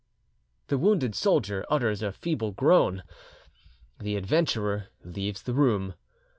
The wounded soldier utters a feeble groan; the adventurer leaves the room.